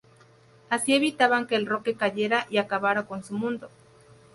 Así evitaban que el roque cayera y acabara con su mundo.